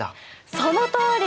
そのとおり！